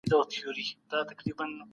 ملي شورا بشري حقونه نه محدودوي.